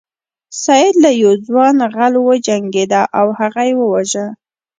سید له یو ځوان غل سره وجنګیده او هغه یې وواژه.